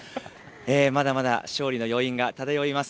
まだまだ勝利の余韻が漂います